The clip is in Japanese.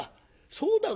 そうだろ？